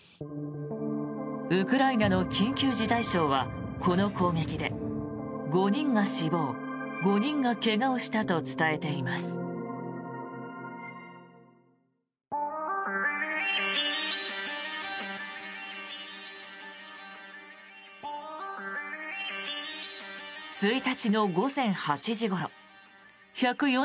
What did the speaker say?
ウクライナの緊急事態省はこの攻撃で５人が死亡、５人が怪我をしたと伝えています。